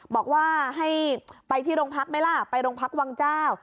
บอกว่าให้ไปที่โรงพักไหมล่ะไปโรงพักวังเจ้า